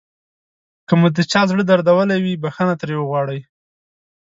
که مو د چا زړه دردولی وي بښنه ترې وغواړئ.